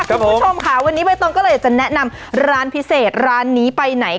คุณผู้ชมค่ะวันนี้ใบตองก็เลยอยากจะแนะนำร้านพิเศษร้านนี้ไปไหน